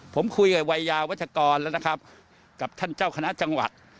ผมคุยกับวัยยาวัชกรแล้วนะครับกับท่านเจ้าคณะจังหวัด